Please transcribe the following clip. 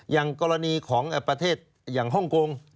อย่างกรณีของประเทศอย่างฮ่องกง